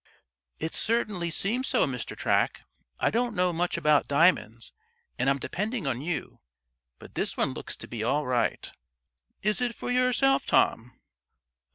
"It certainly seems so, Mr. Track. I don't know much about diamonds, and I'm depending on you. But this one looks to be all right." "Is it for yourself, Tom?"